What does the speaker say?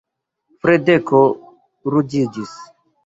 Fradeko ruĝiĝis.